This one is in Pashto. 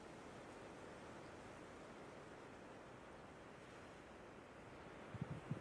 د اروپا لویه وچه د نړۍ له ګڼې ګوڼې ډکې د اوسپنې کرښې لري.